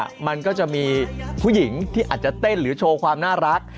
มันก็จะมีผู้หญิงที่อาจจะเต้นหรือโชว์ความน่ารัก